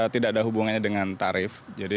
tidak ada hubungannya dengan tarif